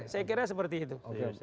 saya kira seperti itu